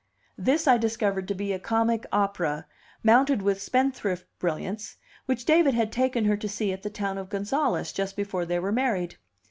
This I discovered to be a comic opera, mounted with spendthrift brilliance, which David had taken her to see at the town of Gonzales, just before they were married.